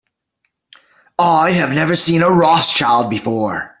I have never seen a Rothschild before.